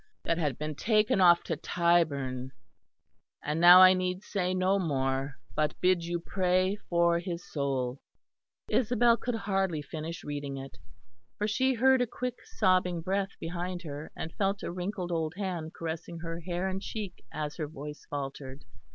that had been taken off to Tyburn. And now I need say no more, but bid you pray for his soul." Isabel could hardly finish reading it; for she heard a quick sobbing breath behind her, and felt a wrinkled old hand caressing her hair and cheek as her voice faltered.